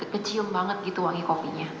kecium banget gitu wangi kopinya